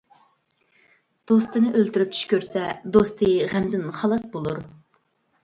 دوستىنى ئۆلتۈرۈپ چۈش كۆرسە، دوستى غەمدىن خالاس بولۇر.